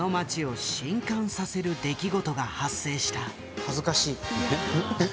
恥ずかしい。